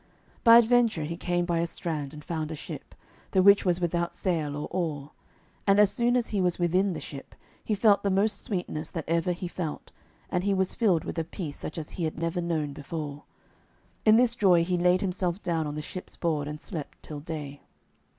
By adventure he came by a strand, and found a ship, the which was without sail or oar. And as soon as he was within the ship, he felt the most sweetness that ever he felt, and he was filled with a peace such as he had never known before. In this joy he laid himself down on the ship's board, and slept till day.